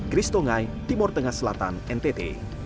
chris tongai timur tengah selatan ntt